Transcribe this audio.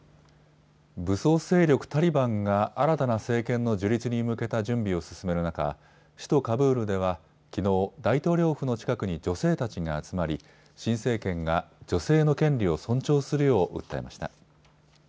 武装勢力タリバンが新たな政権の樹立に向けた準備を進める中、首都カブールではきのう大統領府の近くに女性たちが集まり新政権が女性の権利を尊重するよう訴えました。